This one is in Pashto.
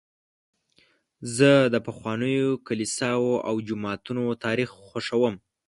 زه د پخوانیو کلیساوو او جوماتونو تاریخ خوښوم.